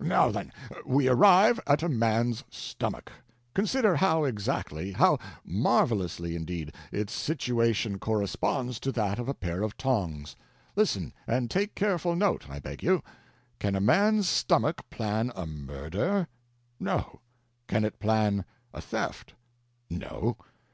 "Now, then, we arrive at a man's stomach. Consider how exactly, how marvelously, indeed, its situation corresponds to that of a pair of tongs. Listen—and take careful note, I beg you. Can a man's stomach plan a murder? No. Can it plan a theft? No.